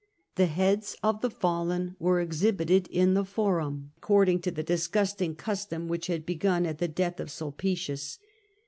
^ The heads of the fallen were exhibited in the Torum, according to the disgusting custom which had begun at the death of Sulpicius.